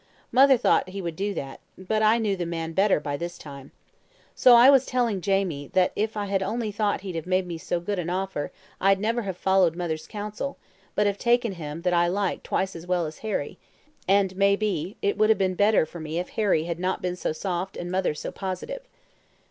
Mother thought he would do that, but I knew the man better by this time. So I was telling Jamie that if I had only thought he'd have made me so good an offer I'd never have followed mother's counsel, but have taken him that I liked twice as well as Harry; and, may be, it would have been better for me if Harry had not been so soft and mother so positive.